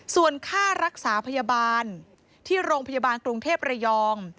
ส่วนค่ารักษาพยาบาลที่โรงพยาบาลกรุงเทพระยอง